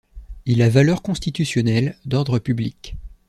Il a valeur constitutionnelle, d'ordre public.